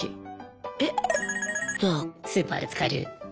スーパーで使える。